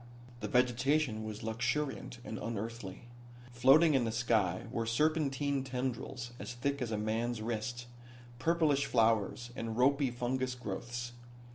The vegetation was luxuriant, and unearthly. Floating in the sky were serpentine tendrils as thick as a man's wrist, purplish flowers and ropy fungus growths.